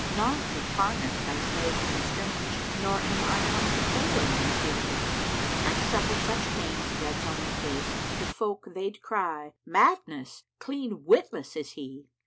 naught of farness thy slave can estrange * Nor am I one to fail in my fealty: I suffer such pains did I tell my case * To folk, they'd cry, 'Madness! clean witless is he!'